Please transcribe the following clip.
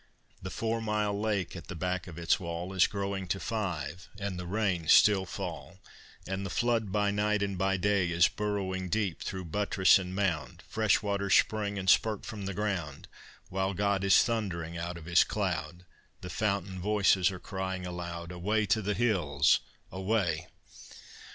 The four mile lake at the back of its wall Is growing to five, and the rains still fall, And the flood by night and by day Is burrowing deep thro' buttress and mound, Fresh waters spring and spurt from the ground; While God is thundering out of His cloud The fountain voices are crying aloud, Away to the hills! away!